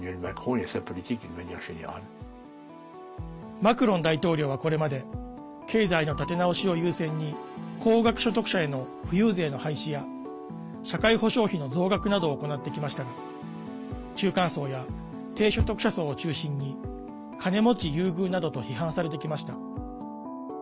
マクロン大統領は、これまで経済の立て直しを優先に高額所得者への富裕税の廃止や社会保障費の増額などを行ってきましたが中間層や低所得者層を中心に金持ち優遇などと批判されてきました。